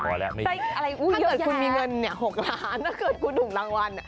พอแล้วนี่แย้งแย้งแย้งแย้งถ้าเกิดคุณมีเงิน๖ล้านถ้าเกิดคุณถูกรางวัล